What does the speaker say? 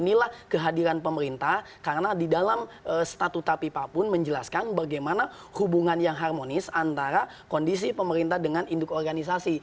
inilah kehadiran pemerintah karena di dalam statuta pipa pun menjelaskan bagaimana hubungan yang harmonis antara kondisi pemerintah dengan induk organisasi